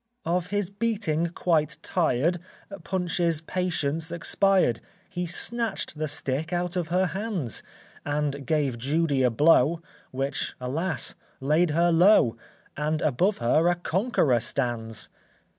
] Of his beating quite tired, Punch's patience expired; He snatched the stick out of her hands, And gave Judy a blow Which, alas, laid her low, And above her a conqueror stands.